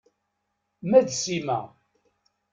Ma d Sima.